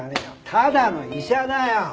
ただの医者だよ。